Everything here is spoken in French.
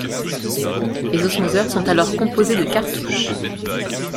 Les osmoseurs sont alors composés de cartouches.